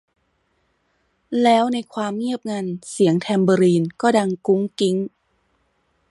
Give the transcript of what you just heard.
แล้ว ในความเงียบงัน เสียงแทมเบอรีนก็ดังกุ๊งกิ๊ง